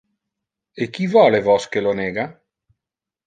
E qui vole vos que lo nega?